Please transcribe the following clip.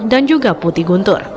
dan juga putih guntur